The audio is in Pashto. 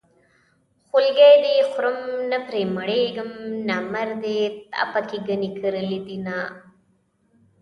خولګۍ دې خورم نه پرې مړېږم نامردې تا پکې ګني کرلي دينه